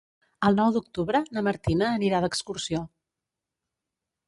El nou d'octubre na Martina anirà d'excursió.